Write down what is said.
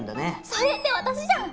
それって私じゃん。